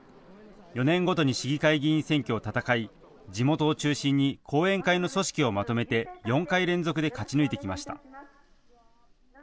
４年ごとに市議会議員選挙を戦い、地元を中心に後援会の組織をまとめて４回連続で勝ち抜いてきました。